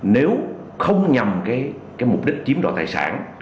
nếu không nhầm cái mục đích chiếm đòi tài sản